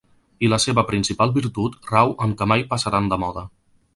I la seva principal virtut rau en que mai passaran de moda.